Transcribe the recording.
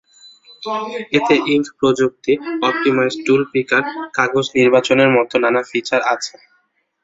এতে ইংক প্রযুক্তি, optimise tool picker, কাগজ নির্বাচনের মতো নানা ফিচার আছে।